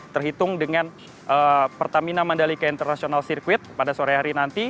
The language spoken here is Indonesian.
terhitung dengan pertamina mandalika international circuit pada sore hari nanti